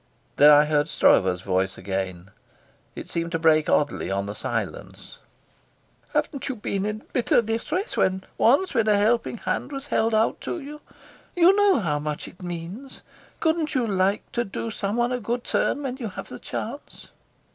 Then I heard Stroeve's voice again. It seemed to break oddly on the silence. "Haven't you been in bitter distress once when a helping hand was held out to you? You know how much it means. Couldn't you like to do someone a good turn when you have the chance?"